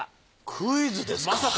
クイズですか。